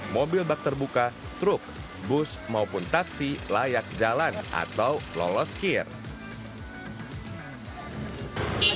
mobil bak terbuka truk bus maupun taksi layak jalan atau lolos kir